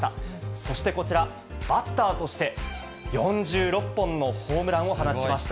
そしてこちら、バッターとして４６本のホームランを放ちました。